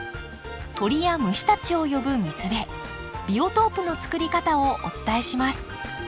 鳥や虫たちを呼ぶ水辺ビオトープのつくり方をお伝えします。